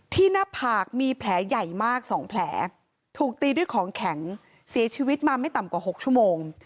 หน้าผากมีแผลใหญ่มาก๒แผลถูกตีด้วยของแข็งเสียชีวิตมาไม่ต่ำกว่า๖ชั่วโมง